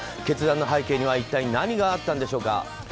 決断の背景には一体何があったんでしょうか。